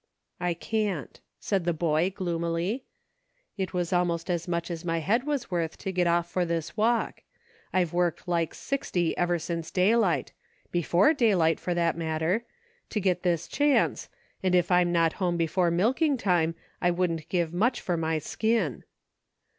" I can't," said the boy, gloomily. " It was almost as much as my head was worth to get off for this walk. I've worked like sixty ever since daylight — before daylight, for that matter — to get this chance, and if I'm not home before milk ing time, I wouldn't give much for my skin."